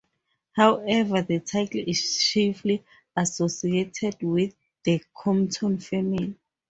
However, the title is chiefly associated with the Compton family.